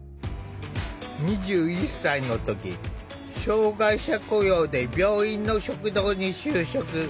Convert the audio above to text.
２１歳の時障害者雇用で病院の食堂に就職。